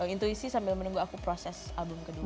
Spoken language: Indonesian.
intuisi sambil menunggu aku proses album kedua